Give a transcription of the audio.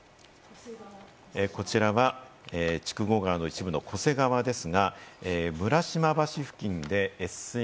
こちらは筑後川の一部の巨瀬川です。